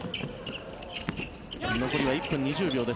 残りは１分２０秒です